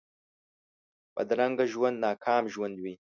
بدرنګه ژوند ناکام ژوند وي